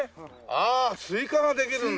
ああスイカができるんだ。